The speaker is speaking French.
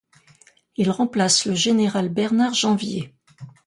Il remplace le général Bernard Janvier.